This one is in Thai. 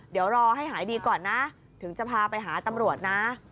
เดี๋ยวรอให้หายดีก่อนนะถึงจะพาไปหาตำรวจนะ